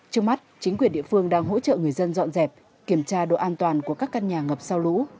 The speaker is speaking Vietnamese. trước mắt chính quyền địa phương đang hỗ trợ người dân dọn dẹp kiểm tra độ an toàn của các căn nhà ngập sau lũ